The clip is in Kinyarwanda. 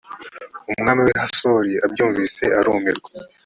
umwami w’i hasori abyumvise arumirwa